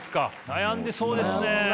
悩んでそうですね。